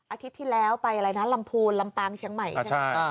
อาทิตย์ที่แล้วไปอะไรนะลำพูนลำปางเชียงใหม่ใช่ไหม